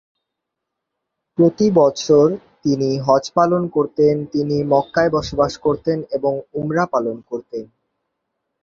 প্রতি বৎসর তিনি হজ্জ পালন করতেন, তিনি মক্কায় বসবাস করতেন এবং উমরাও পালন করতেন।